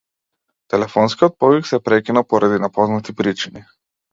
Телефонскиот повик се прекина поради непознати причини.